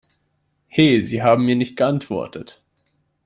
He, Sie haben mir nicht geantwortet!